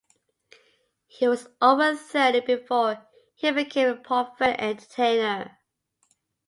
He was over thirty before he became a professional entertainer.